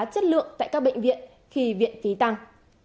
chất lượng tại các bệnh viện khi viện phí tăng